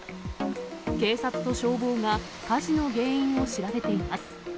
警察と消防が火事の原因を調べています。